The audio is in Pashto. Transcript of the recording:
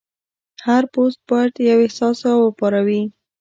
هر پوسټ باید یو احساس راوپاروي.